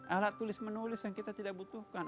alat tulis menulis yang kita tidak butuhkan